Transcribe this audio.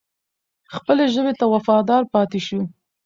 خپلې ژبې ته وفادار پاتې شو.